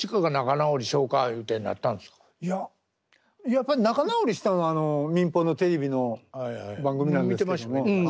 やっぱり仲直りしたのは民放のテレビの番組なんですけども。